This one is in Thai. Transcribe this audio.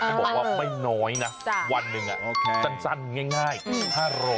บอกว่าไม่น้อยนะวันหนึ่งอ่ะสั้นง่าย๕๐๐๑๐๐๐บาท